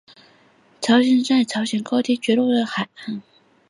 潮间带是在潮汐大潮期的绝对高潮和绝对低潮间露出的海岸。